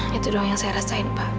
itu doang yang saya rasain pak